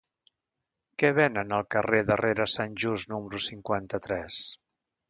Què venen al carrer de Rere Sant Just número cinquanta-tres?